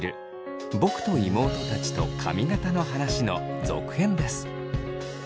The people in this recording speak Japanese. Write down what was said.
「僕と妹たちとカミガタの話」の続編です。